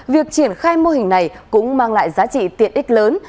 việc triển khai mô hình này cũng mang lại giá trị tiện ích lớn